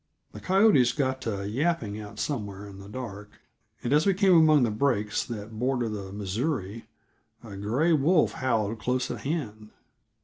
The coyotes got to yapping out somewhere in the dark, and, as we came among the breaks that border the Missouri, a gray wolf howled close at hand.